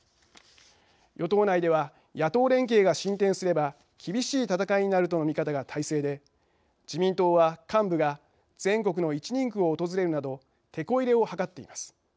与党内では野党連携が進展すれば厳しい戦いになるとの見方が大勢で自民党は、幹部が全国の１人区を訪れるなどテコ入れを図っています。